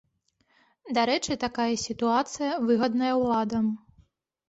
Дарэчы, такая сітуацыя выгадная ўладам.